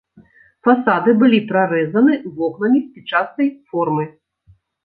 Фасады былі прарэзаны вокнамі спічастай формы.